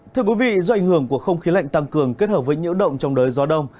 thưa quý vị do ảnh hưởng của không khí lạnh tăng cường kết hợp với nhiễu động trong đới gió đông